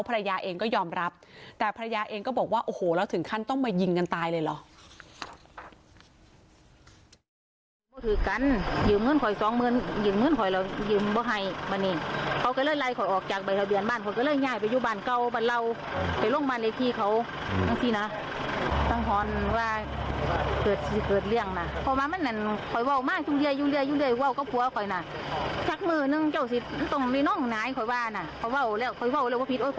ภรรยาเองก็ยอมรับแต่ภรรยาเองก็บอกว่าโอ้โหแล้วถึงขั้นต้องมายิงกันตายเลยเหรอ